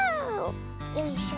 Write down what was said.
よいしょ。